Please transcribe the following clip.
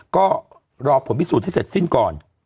เรารองผลผิดสูตรที่เสร็จสิ้นก่อน